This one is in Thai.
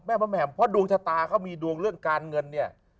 มะแหม่มเพราะดวงชะตาเขามีดวงเรื่องการเงินเนี่ย